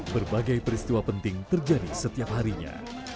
berbagai peristiwa penting terjadi setiap harinya